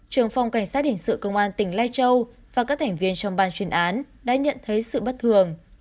trường phòng cảnh sát hình sự công an tỉnh lai châu và các thành viên trong ban chuyên án đã nhận thấy sự bất thường